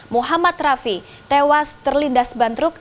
muhammad rafi tewas terlindas ban truk